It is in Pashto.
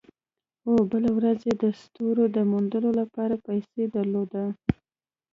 او بله ورځ یې د ستورو د موندلو لپاره پیسې درلودې